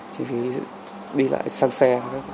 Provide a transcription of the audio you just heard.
chi phí đi lại sang xe